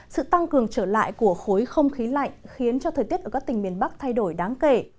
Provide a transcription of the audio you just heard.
sự tăng cường trở lại của khối không khí lạnh khiến cho thời tiết ở các tỉnh miền bắc thay đổi đáng kể